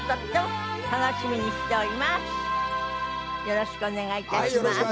よろしくお願いします。